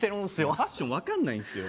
ファッション分かんないんですよ